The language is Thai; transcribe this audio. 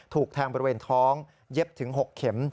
ถูกแทงบริเวณท้องเย็บถึง๖เข็ม